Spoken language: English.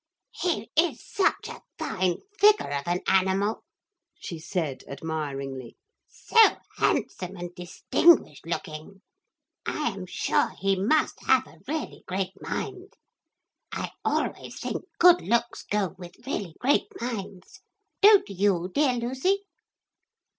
'He is such a fine figure of an animal,' she said admiringly; 'so handsome and distinguished looking. I am sure he must have a really great mind. I always think good looks go with really great minds, don't you, dear Lucy?'